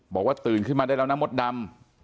บอกว่าตื่นขึ้นมาได้แล้วนะมดดำ